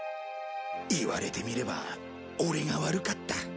言われてみればオレが悪かった。